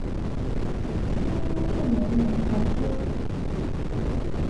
清雍正元年重修。